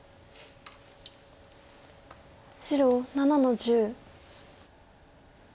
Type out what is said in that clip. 白７の十。